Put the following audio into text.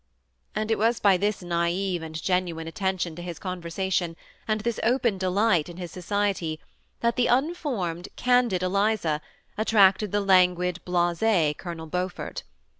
And it was by this naive and genuine attention to his conversation, and this open delight in his society, that the unformed, candid Eliza attracted the languid bhise Colonel Beau fort.